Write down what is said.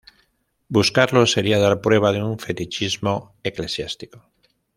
Buscarlos sería dar prueba de un "fetichismo eclesiástico".